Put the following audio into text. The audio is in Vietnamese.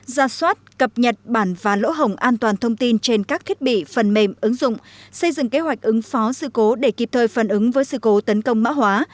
ra soát cập nhật bản và lỗ hồng an toàn thông tin trên các thiết bị phần mềm ứng dụng xây dựng kế hoạch ứng phó sự cố để kịp thời phân ứng với sự cố tấn công mã hóa